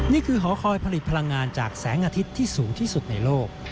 หอคอยผลิตพลังงานจากแสงอาทิตย์ที่สูงที่สุดในโลก